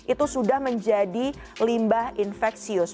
itu sudah menjadi limbah infeksius